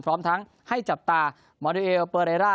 พร้อมทั้งให้จับตามองดูเอลเปอร์เรร่า